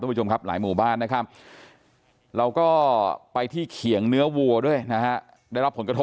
ผู้ชมครับหลายหมู่บ้านนะครับเราก็ไปที่เขียงเนื้อวัวด้วยนะฮะได้รับผลกระทบ